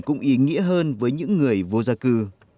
cũng ý nghĩa hơn với những người vô gia cư